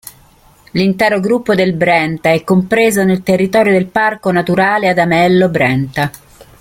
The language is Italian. L'intero gruppo del Brenta è compreso nel territorio del Parco naturale Adamello Brenta.